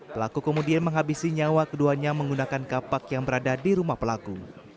pelaku kemudian menghabisi nyawa keduanya menggunakan kapak yang berada di rumah pelaku